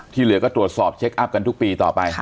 เหลือก็ตรวจสอบเช็คอัพกันทุกปีต่อไป